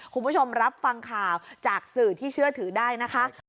คุณผู้ชมรับฟังข่าวจากสื่อที่เชื่อถือได้นะคะ